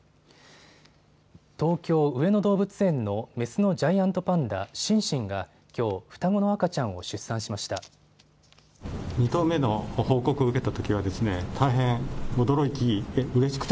東京上野動物園のメスのジャイアントパンダ、シンシンがきょう双子の赤ちゃんを出産しました。